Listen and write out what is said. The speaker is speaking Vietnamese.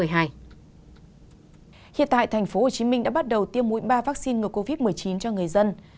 hiện tại tp hcm đã bắt đầu tiêm mũi ba vaccine ngừa covid một mươi chín cho người dân